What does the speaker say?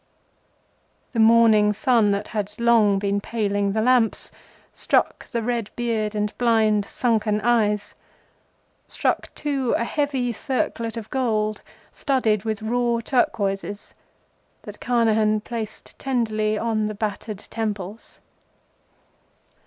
The morning sun that had long been paling the lamps struck the red beard and blind sunken eyes; struck, too, a heavy circlet of gold studded with raw turquoises, that Carnehan placed tenderly on the battered temples.